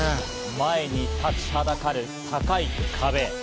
前に立ちはだかる高い壁。